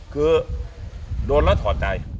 คือโดนแล้วถอดใจ